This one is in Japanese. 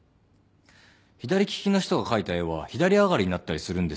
左利きの人が描いた絵は左上がりになったりするんですよ。